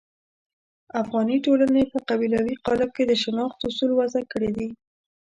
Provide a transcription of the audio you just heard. افغاني ټولنې په قبیلوي قالب کې د شناخت اصول وضع کړي دي.